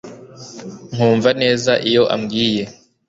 nkumva neza icyo ambwiye